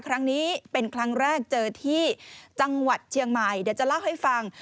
ครั้งนี้เป็นครั้งแรกเจอที่จังหวัดเชียงใหม่เดี๋ยวจะเล่าให้ฟัง